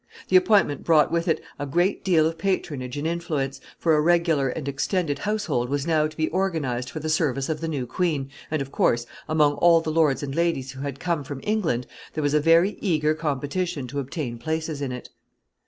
The appointment brought with it a great deal of patronage and influence, for a regular and extended household was now to be organized for the service of the new queen, and of course, among all the lords and ladies who had come from England, there was a very eager competition to obtain places in it.